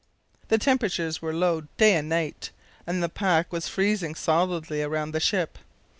The temperatures were low day and night, and the pack was freezing solidly around the ship.